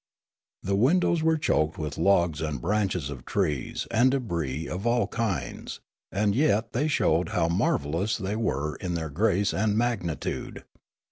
The windows were choked with logs and branches of trees and debris of all kinds, and 3'et they showed how marvellous the} were in their grace and magnitude.